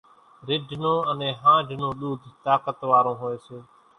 رِڍ نون انين ۿانڍ نون ۮوڌ طاقت وارون هوئيَ سي۔